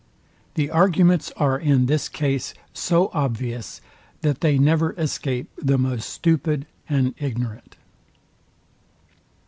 The arguments are in this case so obvious, that they never escape the most stupid and ignorant.